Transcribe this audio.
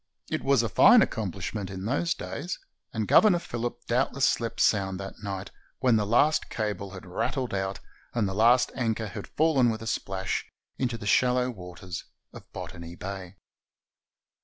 It was a fine accomplishment in those days, and Governor PhiUip doubtless slept sound that night, when the last cable had rattled out, and the last anchor had fallen with a splash into the shallow waters of Botany Bay.